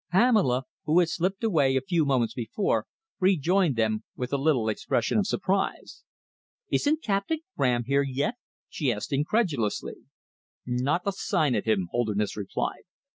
Pamela, who had slipped away a few moments before, rejoined them with a little expression of surprise. "Isn't Captain Graham here yet?" she asked incredulously. "Not a sign of him," Holderness replied.